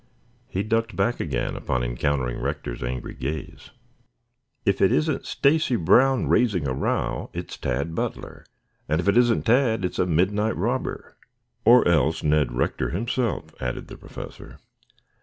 He ducked back again upon encountering Rector's angry gaze. "If it isn't Stacy Brown raising a row it's Tad Butler, and if it isn't Tad it's a midnight robber." "Or else Ned Rector himself," added the Professor.